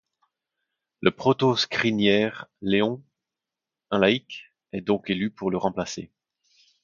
Le protoscriniaire Léon — un laïc — est donc élu pour le remplacer.